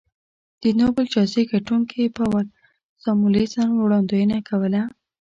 د نوبل جایزې ګټونکي پاول ساموېلسن وړاندوینه کوله